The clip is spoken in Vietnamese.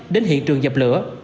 đến hiện trường dập lửa